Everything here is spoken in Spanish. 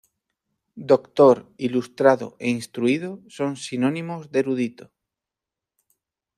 Doctor, ilustrado e instruido son sinónimos de erudito.